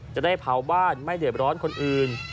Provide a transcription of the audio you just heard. จะได้เผาบ้านไม่เดือดร้อนคนอื่น